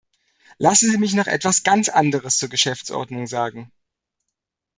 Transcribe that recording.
Lassen Sie mich noch etwas ganz anderes zur Geschäftsordnung sagen.